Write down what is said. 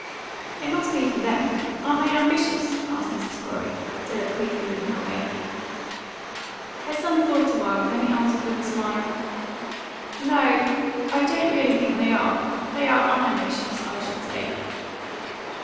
"It must be for them. Aren't they ambitious?" asked Mrs. Corey, delicately feeling her way. Her son thought a while. Then he answered with a smile "No, I don't really think they are. They are unambitious, I should say."